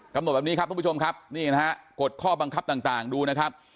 กำหนดแบบนี้ครับท่านผู้ชมครับกดข้อบังคับต่างดูนะครับ